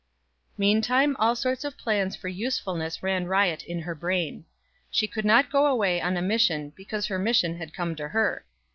Meantime all sorts of plans for usefulness ran riot in her brain. She could not go away on a mission because her mission had come to her.